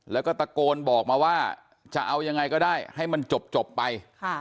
แล้วก็ตะโกนบอกมาว่าจะเอายังไงก็ได้ให้มันจบไป